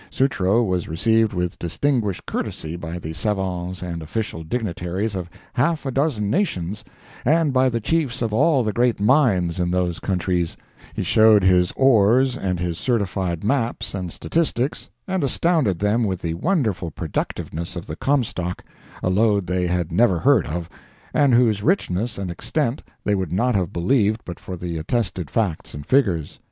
Sutro was received with distinguished courtesy by the savans and official dignitaries of half a dozen nations, and by the chiefs of all the great mines in those countries; he showed his ores and his certified maps and statistics, and astounded them with the wonderful productiveness of the Comstock, a lode they had never heard of, and whose richness and extent they would not have believed but for the attested facts and figures.